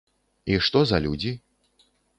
І што за людзі?